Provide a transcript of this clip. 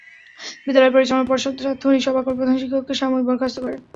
বিদ্যালয় পরিচালনা পর্ষদ তাৎক্ষণিক সভা করে প্রধান শিক্ষককে সাময়িক বরখাস্ত করে।